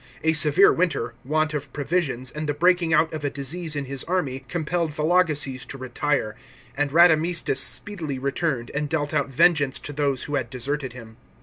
A severe winter, want of provisions, and the breaking out of a disease in his army, compelled Vologeses to retire; and Radamistus speedily returned, and dealt out vengeance to those who had deserted him.